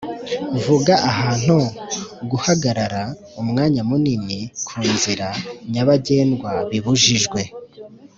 vuga ahantu guhagarara Umwanya munini kunzira nyabagendwa bibujijwe